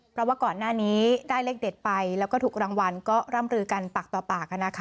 เพราะว่าก่อนหน้านี้ได้เลขเด็ดไปแล้วก็ถูกรางวัลก็ร่ำลือกันปากต่อปาก